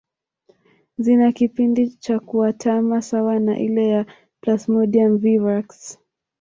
Zina kipindi cha kuatama sawa na ile ya Plasmodium vivax